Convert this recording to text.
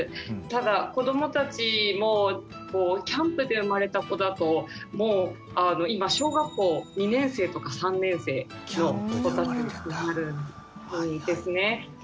ただ子どもたちもキャンプで生まれた子だともう今小学校２年生とか３年生の子たちになるんですね。